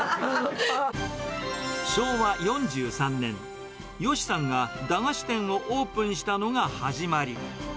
昭和４３年、ヨシさんが駄菓子店をオープンしたのが始まり。